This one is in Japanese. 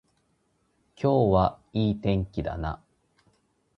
今日はいい天気だな